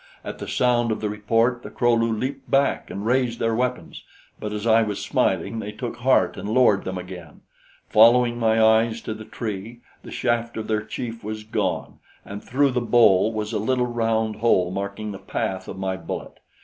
At the sound of the report, the Kro lu leaped back and raised their weapons; but as I was smiling, they took heart and lowered them again, following my eyes to the tree; the shaft of their chief was gone, and through the bole was a little round hole marking the path of my bullet.